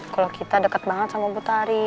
kalo kita deket banget sama butari